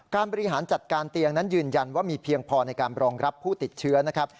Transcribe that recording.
บริหารจัดการเตียงนั้นยืนยันว่ามีเพียงพอในการรองรับผู้ติดเชื้อนะครับ